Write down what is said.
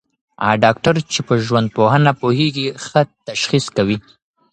هغه ډاکټر چي په ژوندپوهنه پوهېږي، ښه تشخیص کوي.